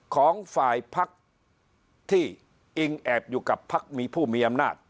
ของฝ่ายพักที่อิงแอบอยู่กับพักมีผู้มีอำนาจ